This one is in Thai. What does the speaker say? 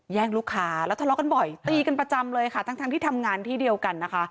ลูกค้าแล้วทะเลาะกันบ่อยตีกันประจำเลยค่ะทั้งทั้งที่ทำงานที่เดียวกันนะคะ